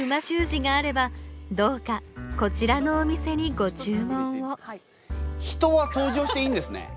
字があればどうかこちらのお店にご注文を人は登場していいんですね？